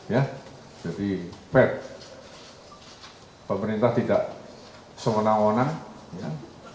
ya jadi pep pemerintah tidak semona ona ya